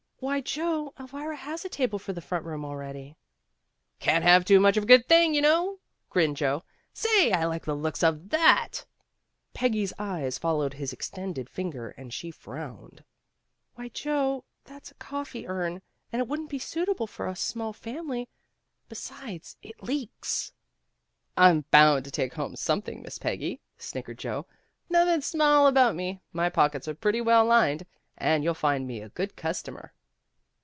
"Why, Joe, Elvira has a table for the front room already." "Can't have too much of a good thing, you know," grinned Joe. "Say I like the looks of that." Peggy's eyes followed his extended finger and she frowned. "Why, Joe, that's a coffee urn, and it wouldn't be suitable for a small family. Besides, it leaks." 82 PEGGY RAYMOND'S WAY "I'm bound to take home something, Miss Peggy," snickered Joe. " Nothing small about me. My pockets are pretty well lined, and you'll find me a good customer."